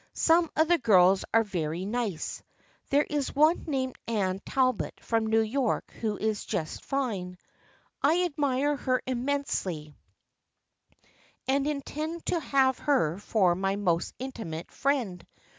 Some of the girls are very nice. There is one named Anne Talbot from New York who is just fine. I admire her immensely and intend to have her for my most intimate friend.